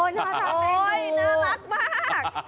น้าลักมาก